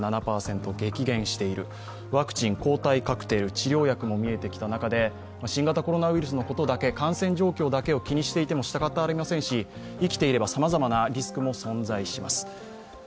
ワクチン、抗体カクテル治療薬も見えてきた中で新型コロナウイルスことだけ、感染状況だけを気にしていてもしかたありませんし、生きていればさまざまなリスクも存在します。